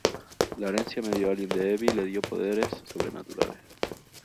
La herencia medio alien de Evie le dio poderes sobrenaturales.